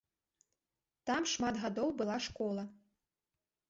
Там шмат гадоў была школа.